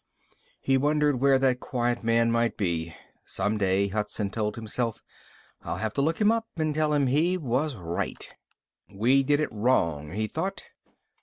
He wondered where that quiet man might be. Some day, Hudson told himself, I'll have to look him up and tell him he was right. We did it wrong, he thought.